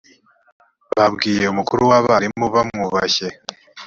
babwiye umukuru w’abarimu bamwubashye.